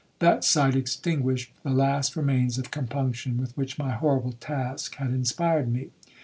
That sight extinguished the last remains of compunction with which my horrible task had inspired me.